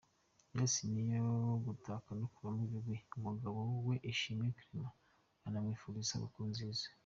yose ni ayo gutaka no kuvuga ibigwi umugabo we Ishimwe Clement anamwifuriza isabukuru nziza.